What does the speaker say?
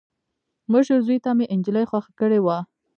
مشر زوي ته مې انجلۍ خوښه کړې وه.